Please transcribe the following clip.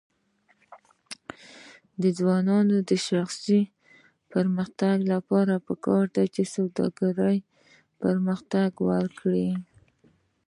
د ځوانانو د شخصي پرمختګ لپاره پکار ده چې سوداګري پرمختګ ورکړي.